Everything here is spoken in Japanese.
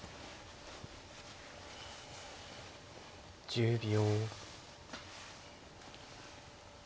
１０秒。